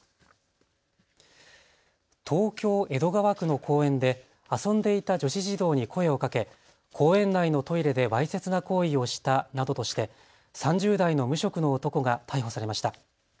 東京江戸川区の公園で遊んでいた女子児童に声をかけ公園内のトイレでわいせつな行為をしたなどとして３０代の無職の男が逮捕されました。